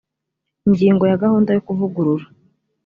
ingingo ya gahunda yo kuvugurura